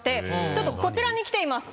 ちょっとこちらに来ています。